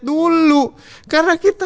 dulu karena kita